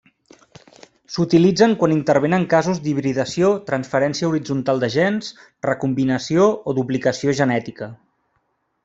S'utilitzen quan intervenen casos d'hibridació, transferència horitzontal de gens, recombinació o duplicació genètica.